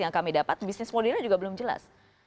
yang kami dapat bisnis modelnya juga belum jelas